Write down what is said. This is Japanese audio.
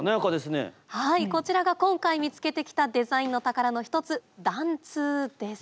はいこちらが今回見つけてきたデザインの宝の一つ緞通です。